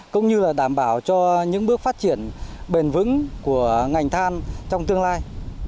cũng như là đảm bảo cho những bước phát triển bền vững của ngành than trong tương lai